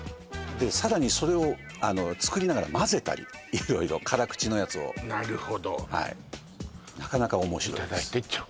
さらにそれを作りながらまぜたり色々辛口のやつをなるほどなかなか面白いですいただい